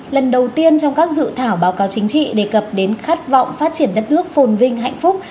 lần đầu tiên trong các dự thảo báo cáo chính trị đề cập đến khát vọng phát triển đất nước phồn vinh hạnh phúc